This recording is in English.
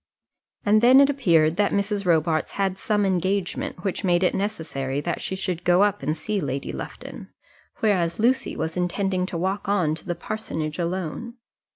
And then it appeared that Mrs. Robarts had some engagement which made it necessary that she should go up and see Lady Lufton, whereas Lucy was intending to walk on to the parsonage alone.